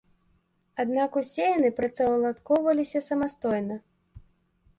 Аднак усе яны працаўладкоўваліся самастойна.